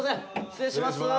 失礼します。